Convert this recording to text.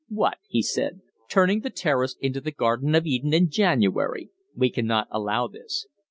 "What!" he said. "Turning the Terrace into the Garden of Eden in January! We cannot allow this."